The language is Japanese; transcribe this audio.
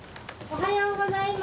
おはようございます！